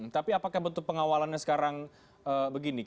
tapi apakah bentuk pengawalannya sekarang begini